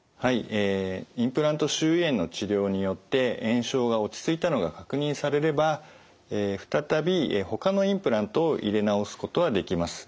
えインプラント周囲炎の治療によって炎症が落ち着いたのが確認されれば再びほかのインプラントを入れ直すことはできます。